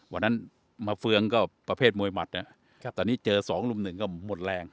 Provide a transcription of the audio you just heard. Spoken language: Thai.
วันนั้นมาเฟืองก็ประเภทมวยหมัดตอนนี้เจอ๒ลุมหนึ่งก็หมดแรง